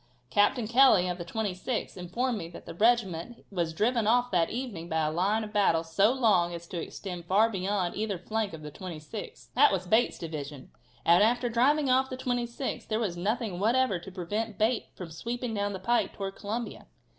Captain Kelly, of the 26th, informed me that the regiment was driven off that evening by a line of battle so long as to extend far beyond either flank of the 26th. That was Bate's division, and after driving off the 26th there was nothing whatever to prevent Bate from sweeping down the pike towards Columbia.